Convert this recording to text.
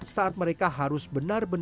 saat mereka harus benar benar